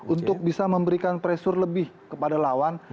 untuk bisa memberikan pressure lebih kepada lawan